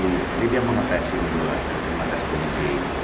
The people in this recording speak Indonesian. jadi dia mengatasi untuk mengatasi komisi